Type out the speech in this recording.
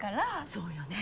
そうよね。